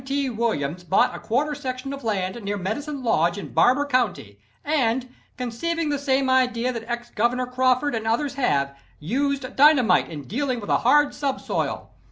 T. Williams bought a quarter section of land near Medicine Lodge in Barber County, and, conceiving the same idea that Ex Governor Crawford and others have, used dynamite in dealing with a hard subsoil.